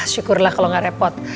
syukurlah kalau gak repot